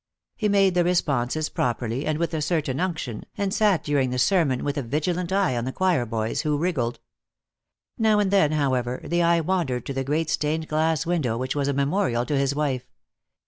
He made the responses properly and with a certain unction, and sat during the sermon with a vigilant eye on the choir boys, who wriggled. Now and then, however, the eye wandered to the great stained glass window which was a memorial to his wife.